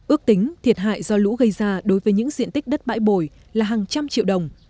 ước tính thiệt hại do lũ gây ra đối với những diện tích đất bãi bồi là hàng trăm triệu đồng